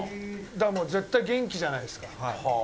だから、もう絶対元気じゃないですか。